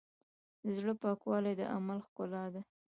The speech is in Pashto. د زړۀ پاکوالی د عمل ښکلا ده.